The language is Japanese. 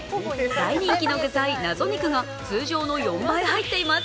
大人気の具材・謎肉が通常の４倍入っています。